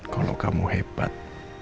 kalau kamu hebat